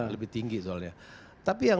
lebih tinggi soalnya tapi yang